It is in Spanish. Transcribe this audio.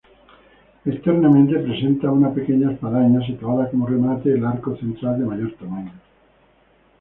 Externamente presenta una pequeña espadaña, situada como remate al arco central, de mayor tamaño.